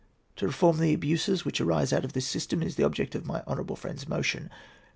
To reform the abuses which arise out of this system is the object of my honourable friend's motion.